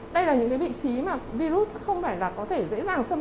đây là những vị trí mà virus không phải là có thể dễ dàng xâm